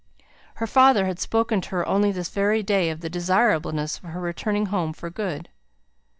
Her father had spoken to her only this very day of the desirableness of her returning home for good.